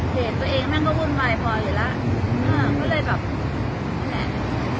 เพจตัวเองมันก็วุ่นวายพออยู่แล้วอืมอ่าก็เลยแบบไม่แน่